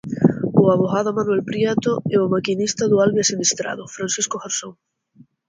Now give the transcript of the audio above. O avogado Manuel Prieto e o maquinista do Alvia sinistrado, Francisco Garzón.